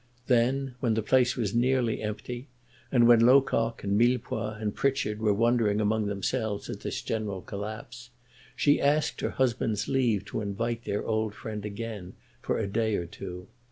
Then, when the place was nearly empty, and when Locock and Millepois and Pritchard were wondering among themselves at this general collapse, she asked her husband's leave to invite their old friend again for a day or two.